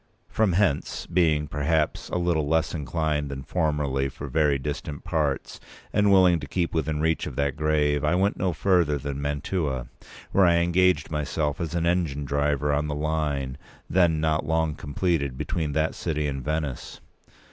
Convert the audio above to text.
From hence, being, perhaps, a little less inclined than formerly for very distant parts, and willing to keep within reach of that grave, I went no further than Mantua, where I engaged myself as an engine driver on the line, then not long completed, between that city and Venice.